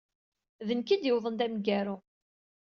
D nekk ay d-yuwḍen d ameggaru.